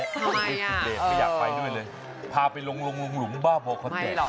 สุดสุดเดชไม่อยากไปด้วยเลยพาไปลงหลุมบ้าพอเขาแตกไม่หรอก